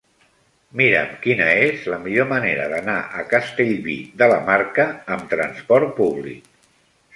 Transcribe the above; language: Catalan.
Mira'm quina és la millor manera d'anar a Castellví de la Marca amb trasport públic.